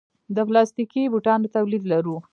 د پلاستیکي بوټانو تولید لرو؟